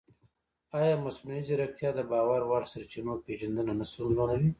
ایا مصنوعي ځیرکتیا د باور وړ سرچینو پېژندنه نه ستونزمنوي؟